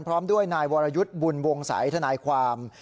พร้อมด้วยนายวรยุทธ์บุญวงศัยธนายความ